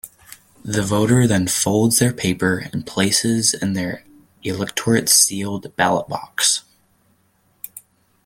The voter then folds their paper and places in their electorate's sealed ballot box.